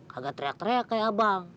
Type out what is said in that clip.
kagak teriak teriak kaya abang